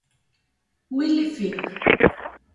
Willi Fick